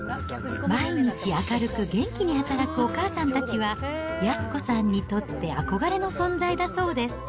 毎日、明るく元気に働くお母さんたちは、靖子さんにとってあこがれの存在だそうです。